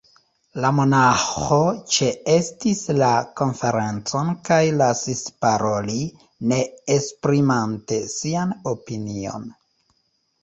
La monaĥo ĉeestis la konferencon kaj lasis paroli, ne esprimante sian opinion.